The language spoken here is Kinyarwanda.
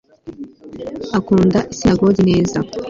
Akunda isinagogi neza